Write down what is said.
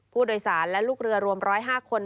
ผู้โดยสารและลูกเรือรวม๑๐๕คน